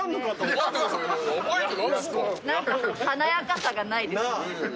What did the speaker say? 何か華やかさがないですね。